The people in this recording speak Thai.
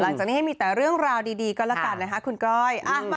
หลังจากนี้ให้มีแต่เรื่องราวดีก็แล้วกันนะคะคุณก้อย